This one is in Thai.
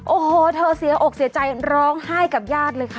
โอ้โหเธอเสียอกเสียใจร้องไห้กับญาติเลยค่ะ